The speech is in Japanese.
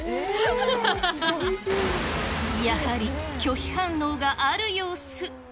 やはり拒否反応がある様子。